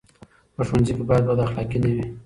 په ښوونځي کې باید بد اخلاقي نه وي.